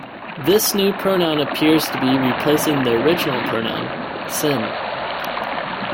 This new pronoun appears to be replacing the original pronoun "sinn".